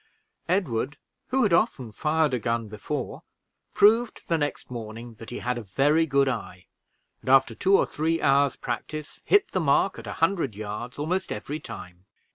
Edward, who had often fired a gun before, proved the next morning that he had a very good eye; and, after two or three hours' practice, hit the mark at a hundred yards almost every time.